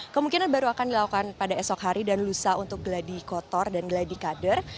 kemungkinan baru akan dilakukan pada esok hari dan lusa untuk geladi kotor dan geladi kader